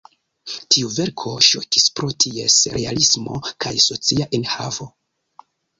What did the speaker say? Tiu verko ŝokis pro ties realismo kaj socia enhavo.